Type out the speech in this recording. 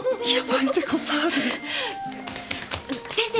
先生。